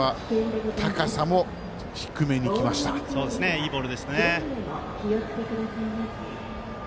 いいボールですね。